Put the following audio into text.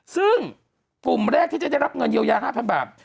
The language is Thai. ซึ่งกลุ่มแรกที่จะได้รับเงินเยียวยา๕๐๐บาท